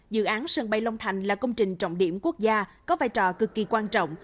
dự án sân bay long thành là công trình trọng điểm quốc gia có vai trò cực kỳ quan trọng